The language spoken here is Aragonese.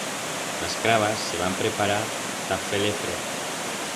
Las crabas se van preparar ta fer-le frent.